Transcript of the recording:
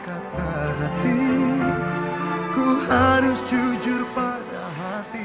aku harus jujur pada hatiku